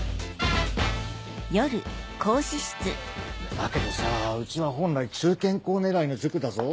だけどさうちは本来中堅校狙いの塾だぞ。